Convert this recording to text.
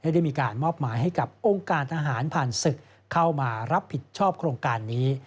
ได้มีการมอบหมายให้กับองค์การทหารผ่านศึกเข้ามารับผิดชอบโครงการนี้